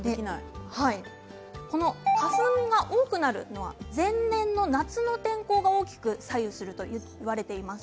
この花粉が多くなる前年の夏の天候が大きく左右するといわれています。